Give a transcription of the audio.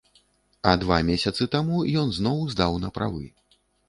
А два месяцы таму ён зноў здаў на правы.